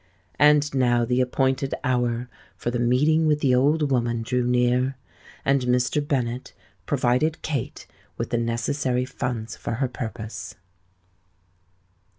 And now the appointed hour for the meeting with the old woman drew near; and Mr. Bennet provided Kate with the necessary funds for her purpose.